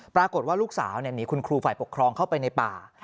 ปรากฏว่าลูกสาวหนีคุณครูฝ่ายปกครองเข้าไปในป่า